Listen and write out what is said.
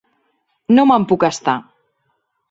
No me'n puc estar.